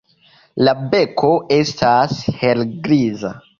La beko estas helgriza.